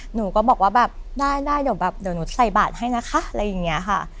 หนูก็บอกว่าแบบได้ได้เดี๋ยวแบบเดี๋ยวหนูใส่บาทให้นะคะอะไรอย่างนี้ค่ะ